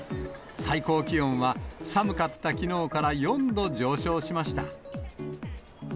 最高気温は寒かったきのうから４度上昇しました。